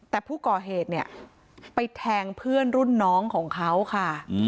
แต่ผู้ก่อเหตุเนี่ยไปแทงเพื่อนรุ่นน้องของเขาค่ะ